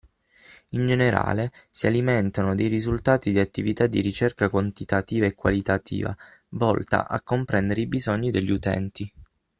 In generale, si alimentano dei risultati di attività di ricerca quantitativa e qualitativa volta a comprendere i bisogni degli utenti.